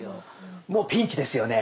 もうピンチですよね。